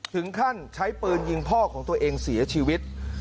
ถึงขั้นใช้ปืนยิงพ่อของตัวเองเสียชีวิต